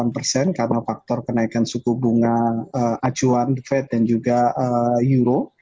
delapan persen karena faktor kenaikan suku bunga acuan fed dan juga euro